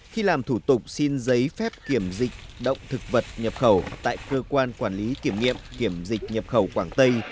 khi làm thủ tục xin giấy phép kiểm dịch động thực vật nhập khẩu tại cơ quan quản lý kiểm nghiệm kiểm dịch nhập khẩu quảng tây